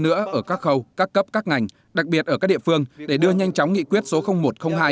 nữa ở các khâu các cấp các ngành đặc biệt ở các địa phương để đưa nhanh chóng nghị quyết số một trăm linh hai